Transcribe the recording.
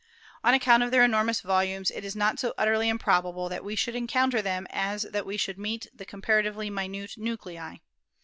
On account of their enormous volumes, it is not so utterly improbable that we should encounter them as that we should meet the comparatively minute nuclei.